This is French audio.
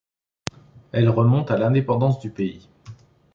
Elle remonte à l'indépendance du pays.